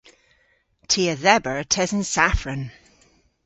Ty a dheber tesen safran.